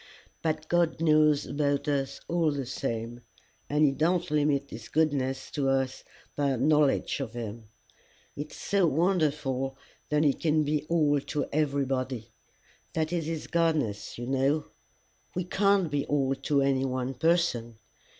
"But God knows about us all the same, and he don't limit his goodness to us by our knowledge of him. It's so wonderful that he can be all to everybody! That is his Godness, you know. We can't be all to any one person.